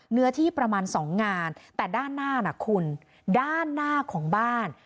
เนื้อที่ประมาณ๒งานแต่ด้านหน้านะคุณด้านหน้าของบ้าน